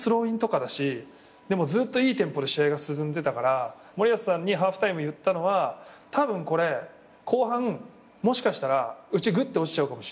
ずっといいテンポで試合が進んでたから森保さんにハーフタイム言ったのは「たぶんこれ後半もしかしたらうちぐって落ちちゃうかもしんないです」